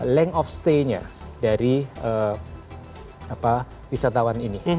lengk of stay nya dari wisatawan ini